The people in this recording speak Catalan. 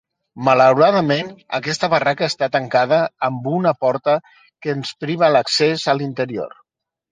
Malauradament aquesta barraca està tancada amb una porta que ens priva l'accés a l'interior.